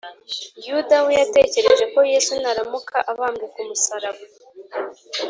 yuda we yatekereje ko yesu naramuka abambwe ku musaraba